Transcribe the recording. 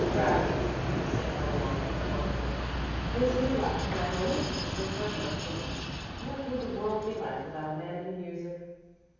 "Rather," said Eleanor laconically. "This is life, and I've only existed for months and months. What would the world be like without men and music?"